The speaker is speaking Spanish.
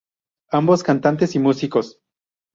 Ambos cantantes y músicos.